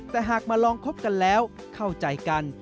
แต่หากมาลองคบกันแล้วเข้าใจกัน